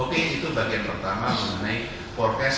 itu bagian pertama mengenai forecast